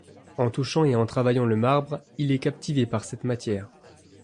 En touchant et en travaillant le marbre, il est captivé par cette matière.